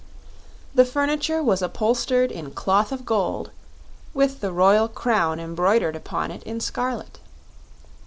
The furniture was upholstered in cloth of gold, with the royal crown embroidered upon it in scarlet.